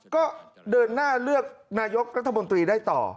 ก็เดินหน้าเลือกนายกรัฐมนตรีได้ต่อ